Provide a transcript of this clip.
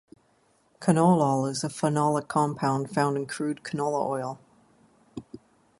Canolol is a phenolic compound found in crude canola oil.